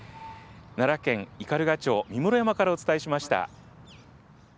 奈良県斑鳩町三室山からお伝えしました。